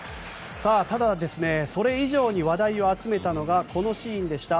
ただ、それ以上に話題を集めたのがこのシーンでした。